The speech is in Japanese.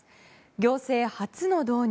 行政初の導入。